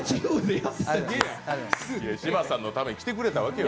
柴田さんのために来てくれたわけよ。